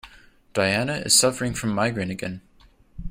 Diana is suffering from migraine again.